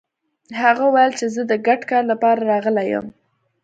هغه ويل چې زه د ګډ کار لپاره راغلی يم.